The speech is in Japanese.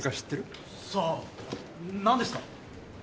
さあなんですか？